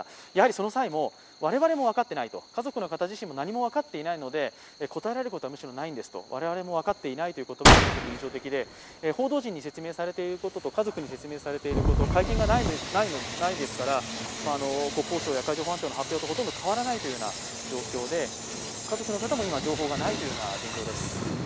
その際も、我々も分かっていない、家族の方も何も分かっていないので答えられることはむしろないんです我々も何も分かっていないという言葉がすごく印象的で、報道陣に説明されていることと家族に説明されていることの会見がないですから国交省や海上保安庁の発表とほとんど変わらない状況で家族の方も状況が分からないという状況です。